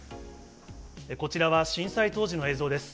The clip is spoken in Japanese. こちらは震災当時の映像です。